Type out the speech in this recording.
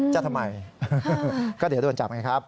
จะทำไมก็เดี๋ยวโดนจับไงครับ